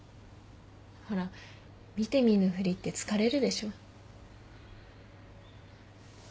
ほら見て見ぬふりって疲れるでしょ。